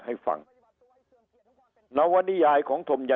จบคนเหลวจากส่ามอยู่